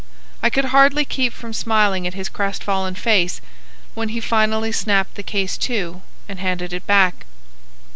I could hardly keep from smiling at his crestfallen face when he finally snapped the case to and handed it back.